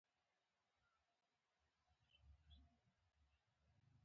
مومن خان راویښ شو او وکتل.